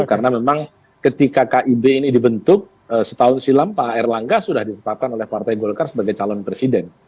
karena memang ketika kib ini dibentuk setahun silam pak r langga sudah ditetapkan oleh partai golkar sebagai calon presiden